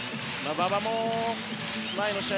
馬場は前の試合